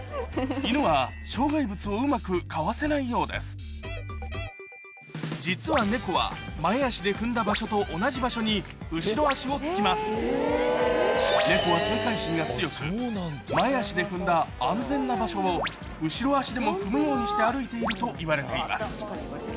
イヌはうまく実はネコは前足で踏んだ場所と同じ場所に後ろ足をつきますネコは警戒心が強く前足で踏んだ安全な場所を後ろ足でも踏むようにして歩いているといわれています